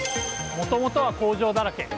もともとは工場だらけ。